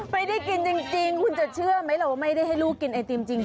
ไม่ได้กินจริงคุณจะเชื่อไหมเราไม่ได้ให้ลูกกินไอติมจริง